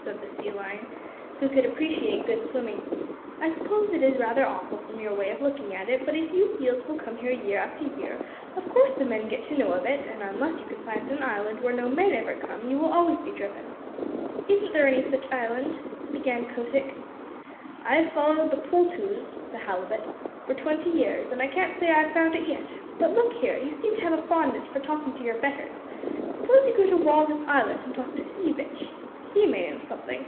said the Sea Lion, who could appreciate good swimming. "I suppose it is rather awful from your way of looking at it, but if you seals will come here year after year, of course the men get to know of it, and unless you can find an island where no men ever come you will always be driven." "Isn't there any such island?" began Kotick. "I've followed the poltoos [the halibut] for twenty years, and I can't say I've found it yet. But look here you seem to have a fondness for talking to your betters suppose you go to Walrus Islet and talk to Sea Vitch. He may know something.